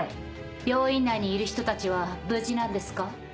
病院内にいる人たちは無事なんですか？